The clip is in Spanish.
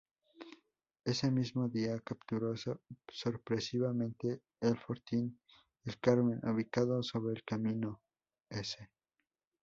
Ese mismo día capturó sorpresivamente el fortín El Carmen ubicado sobre el camino ‘’S‘’.